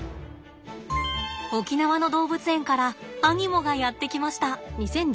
沖縄の動物園からアニモがやって来ました。